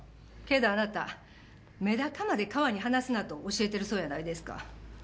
けどあなたメダカまで川に放すなと教えてるそうやないですか。